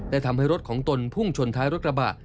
ทำให้รถของตนพุ่งชนท้ายรถกระบะ